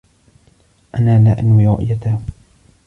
أنا لا أنوي رؤيته.